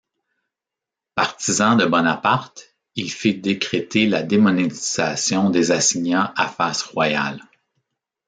Partisan de Bonaparte, il fit décréter la démonétisation des assignats à face royale.